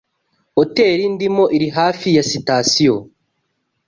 Hoteri ndimo iri hafi ya sitasiyo.